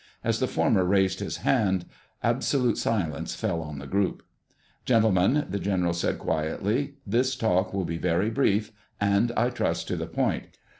As the former raised his hand, absolute silence fell on the group. "Gentlemen," the general said quietly, "this talk will be very brief and, I trust, to the point.